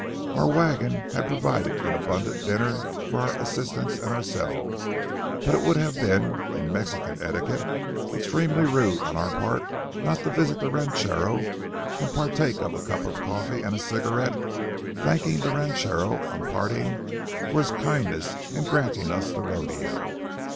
Our wagon had provided an abundant dinner for our assistants and ourselves; but it would have been, in Mexican etiquette, extremely rude on our part not to visit the rancho and partake of a cup of coffee and a cigarette, thanking the ranchero on parting for his kindness in granting us the rodeo.